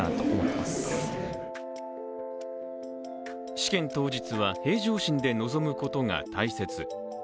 試験当日は、平常心で臨むことが大切。